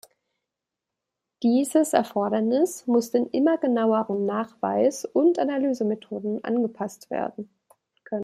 Dieses Erfordernis muss den immer genaueren Nachweisund Analysemethoden angepasst werden können.